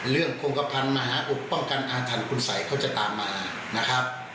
เรื่องคงกระพันธุ์มหาอุป้องกันอาธรรมคุณสัยเขาจะตามมานะครับ